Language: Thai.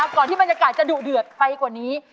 ก่อนที่บรรยากาศจะดุเดือดไปกว่านี้